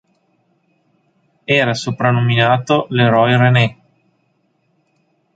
Era soprannominato "Le Roi René".